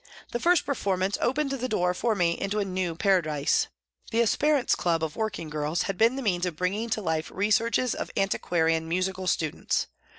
The first performance opened the door for me into a new paradise. The Esperance Club of working girls had been the means of bringing to life researches of antiquarian musical students.